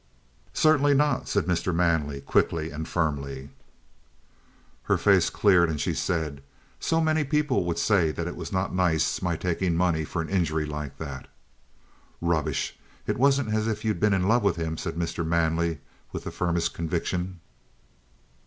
"Certainly not," said Mr. Manley quickly and firmly. Her face cleared and she said: "So many people would say that it was not nice my taking money for an injury like that." "Rubbish! It wasn't as if you'd been in love with him," said Mr. Manley with the firmest conviction.